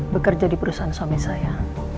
bekerja di perusahaan suami saya